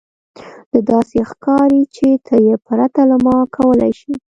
دا داسې ښکاري چې ته یې پرته له ما کولی شې